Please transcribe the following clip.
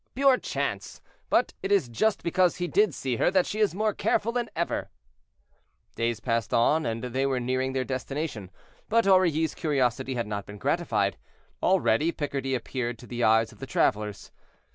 "Pure chance; but it is just because he did see her that she is more careful than ever." Days passed on, and they were nearing their destination, but Aurilly's curiosity had not been gratified. Already Picardy appeared to the eyes of the travelers.